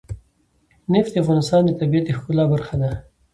نفت د افغانستان د طبیعت د ښکلا برخه ده.